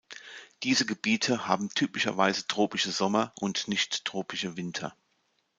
Diese Gebiete haben typischerweise tropische Sommer und nicht-tropische Winter.